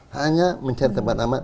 hanya mencari tempat aman